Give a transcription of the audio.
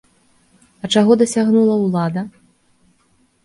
А чаго дасягнула ўлада?